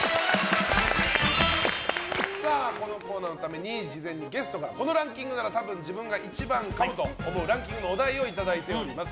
このコーナーのために事前にゲストからこのランキングなら多分自分が一番かもと思うランキングのお題をいただいております。